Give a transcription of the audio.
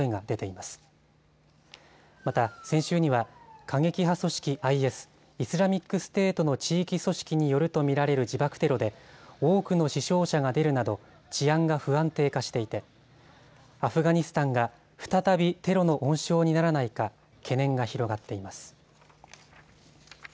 また先週には過激派組織ＩＳ・イスラミックステートの地域組織によると見られる自爆テロで多くの死傷者が出るなど治安が不安定化していてアフガニスタンが、再びテロの温床にならないか懸念が広がっています。